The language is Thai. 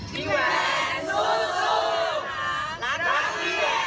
พี่แหวนสู้สู้รักพี่แหวนครับ